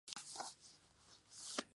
Red de Colegios".